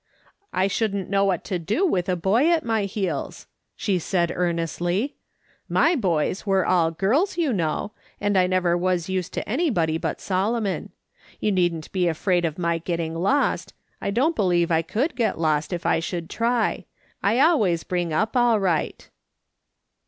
" I shouldn't know what to do with a boy at my heels," she said earnestly. " My boys were all girls, you know, and I never was used to anybody but Solomon. You needn't be afraid of my getting lost. I don't believe I could get lost if I should try. I always bring up all right."